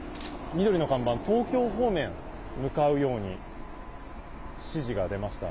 緑の看板、東京方面に向かうように指示が出ました。